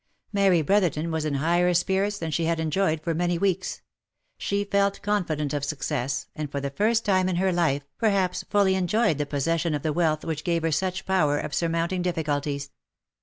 Mary Brotherton was in higher spirits than she had enjoyed for many weeks — she felt confident of success, and for the first time in her life, perhaps, fully enjoyed the possession of the wealth which gave her such power of surmounting difficulties.